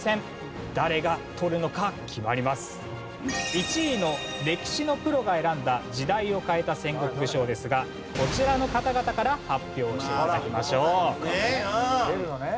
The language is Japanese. １位の歴史のプロが選んだ時代を変えた戦国武将ですがこちらの方々から発表して頂きましょう。